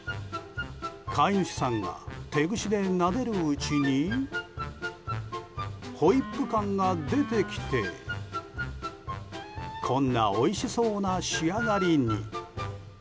飼い主さんが手ぐしでなでるうちにホイップ感が出てきてこんなおいしそうな仕上がりに。